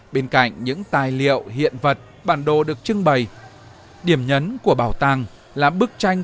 bên cạnh những tài liệu hiện vật bản đồ được trưng bày điểm nhấn của bảo tàng là bức tranh